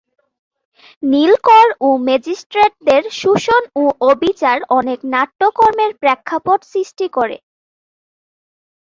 নীলকর ও ম্যাজিস্ট্রেটদের শোষণ ও অবিচার অনেক নাট্যকর্মের প্রেক্ষাপট সৃষ্টি করে।